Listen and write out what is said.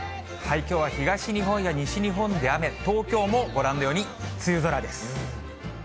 きょうは東日本や西日本で雨、東京もご覧のように梅雨空です。